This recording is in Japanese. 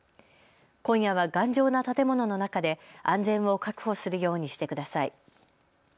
今夜は頑丈な建物の中で安全を確保するようにしてください。